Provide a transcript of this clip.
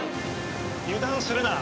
油断するな。